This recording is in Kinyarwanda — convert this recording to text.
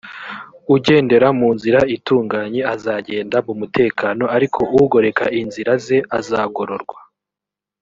ugendera mu nzira itunganye azagenda mu mutekano ariko ugoreka inzira ze azagorwa